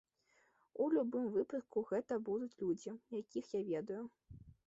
У любым выпадку, гэта будуць людзі, якіх я ведаю.